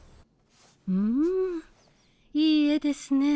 んんいい絵ですね。